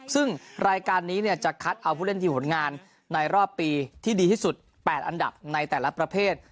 ซึ่งรายการนี้จะคัดเอาผู้เล่นที่ผลงานในรอบปีที่ดีที่สุด๘อันดับในแต่ละประเภท